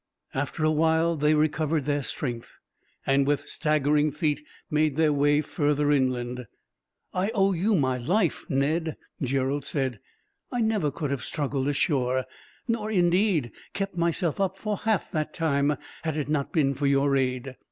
After a while they recovered their strength and, with staggering feet, made their way further inland. "I owe you my life, Ned," Gerald said. "I never could have struggled ashore; nor, indeed, kept myself up for half that time, had it not been for your aid."